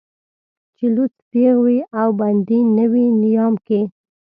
چې لوڅ تېغ وي او بندي نه وي نيام کې